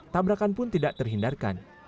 tabrakan pun tidak terhindarkan